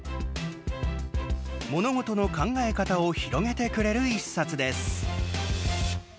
物事の考え方を広げてくれる一冊です。